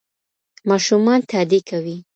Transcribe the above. ماشومان تادي کوي.